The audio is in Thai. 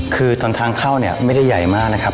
คือตอนทางเข้าเนี่ยไม่ได้ใหญ่มากนะครับ